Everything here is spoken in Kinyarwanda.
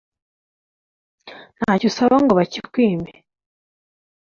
ntacyo usaba ngo bakikwime